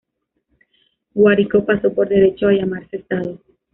Guárico pasó por derecho a llamarse Estado.